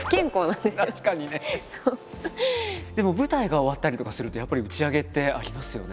でも舞台が終わったりとかするとやっぱり打ち上げってありますよね？